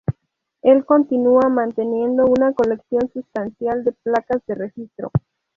Él continúa manteniendo una colección sustancial de placas de registro.